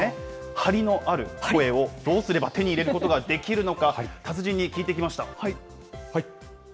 張りのある声をどうすれば手に入れることができるのか、達人に聞いてきました。